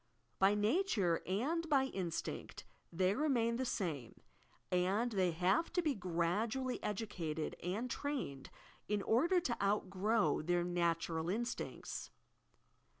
By nature and by instinct they remain the same, and they have to be gradually educated and trained in order to outgrow their natural instincts.